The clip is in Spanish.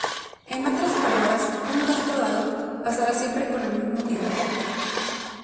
En otras palabras, un gasto dado pasará siempre con el mismo tirante.